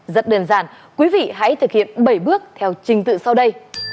rất đơn giản quý vị hãy thực hiện bảy bước theo trình tự sau đây